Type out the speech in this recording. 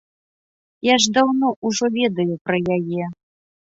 Я ж даўно ўжо ведаю пра яе.